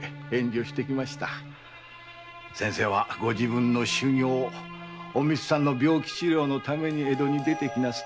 先生はご自分の修業・おみつさんの病気治療のため江戸に出てきた。